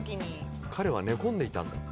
彼は寝込んでいたんだ。